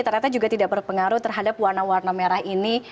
ternyata juga tidak berpengaruh terhadap warna warna merah ini